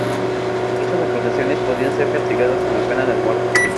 Estas acusaciones podían ser castigadas con la pena de muerte.